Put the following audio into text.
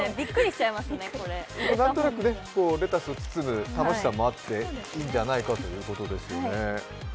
なんとなくレタスを包む楽しさもあっていいんじゃないかということですね。